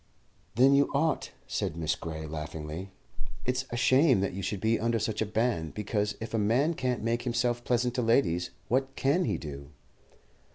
"Then you ought," said Miss Gray, laughingly. "It's a shame that you should be under such a ban, because if a man can't make himself pleasant to ladies, what can he do?"